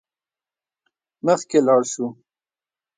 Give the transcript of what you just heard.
مخکې لاړ شو.